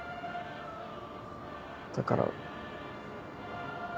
だから。